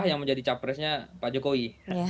yang menjadi capresnya pak jokowi